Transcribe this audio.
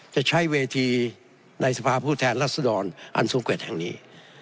จะใช้เวทีในสภาพผู้แทนรัศดรอันสูงเกรดแห่งนี้